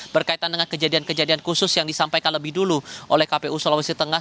berkaitan dengan kejadian kejadian khusus yang disampaikan lebih dulu oleh kpu sulawesi tengah